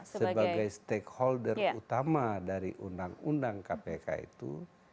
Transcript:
sebagai stakeholder utama dari undang undang kpk itu